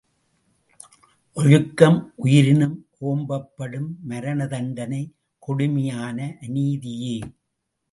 ஒழுக்கம் உயிரினும் ஓம்பப்படும் மரணதண்டனை கொடுமையான அநீதியே!